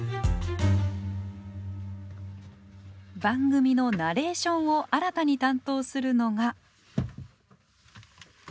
番組のナレーションを新たに担当するのが。